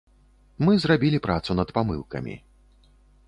Мы зрабілі працу над памылкамі.